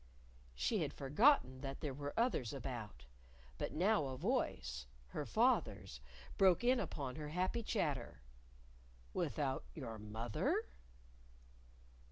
She had forgotten that there were others about. But now a voice her father's broke in upon her happy chatter: "Without your _mother?